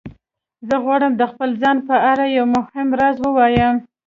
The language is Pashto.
زه غواړم د خپل ځان په اړه یو مهم راز ووایم